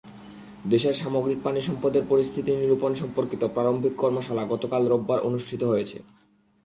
দেশের সামগ্রিক পানিসম্পদের পরিস্থিতি নিরূপণ সর্ম্পকিত প্রারম্ভিক কর্মশালা গতকাল রোববার অনুষ্ঠিত হয়েছে।